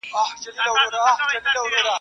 چي شاعر غواړي خپلو لوستونکو او اورېدونکو ته !.